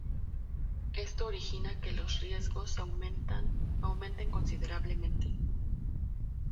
Esto origina que los riesgos aumenten considerablemente.